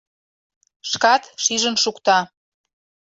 Шкат шижын шукта.